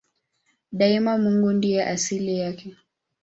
Daima Mungu ndiye asili yake.